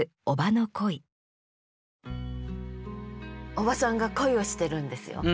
叔母さんが恋をしてるんですよ。